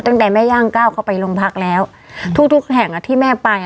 ตั้งแต่แม่ย่างก้าวเข้าไปโรงพักแล้วทุกทุกแห่งอ่ะที่แม่ไป